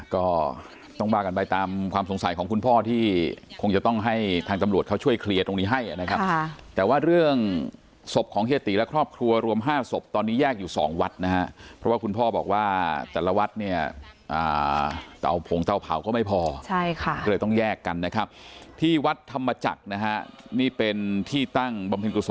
ก็ต้องว่ากันไปตามความสงสัยของคุณพ่อที่คงจะต้องให้ทางตำรวจเขาช่วยเคลียร์ตรงนี้ให้นะครับแต่ว่าเรื่องศพของเฮียตีและครอบครัวรวม๕ศพตอนนี้แยกอยู่สองวัดนะฮะเพราะว่าคุณพ่อบอกว่าแต่ละวัดเนี่ยเตาผงเตาเผาก็ไม่พอใช่ค่ะก็เลยต้องแยกกันนะครับที่วัดธรรมจักรนะฮะนี่เป็นที่ตั้งบำเพ็ญกุศล